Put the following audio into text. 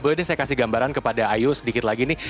boleh deh saya kasih gambaran kepada ayu sedikit lagi nih